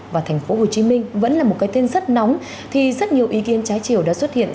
và tp hcm vẫn là một cái tên rất nóng thì rất nhiều ý kiến trái chiều đã xuất hiện